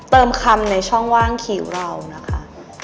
เติมคำในช่องว่างคิ้วเรานะคะ